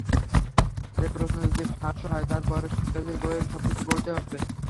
তাই প্রশ্ন যদি ফাঁসও হয়, তার পরও শিক্ষার্থীদের বইয়ের সবকিছু পড়তে হবে।